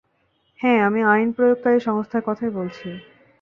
হ্যাঁ, আমি আইন প্রয়োগকারী সংস্থার কথাই বলছি।